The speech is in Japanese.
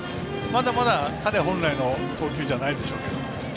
まだまだ、彼本来の投球じゃないでしょうけど。